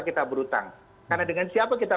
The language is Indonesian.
kita berhutang karena dengan siapa kita